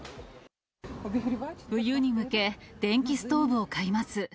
冬に向け、電気ストーブを買います。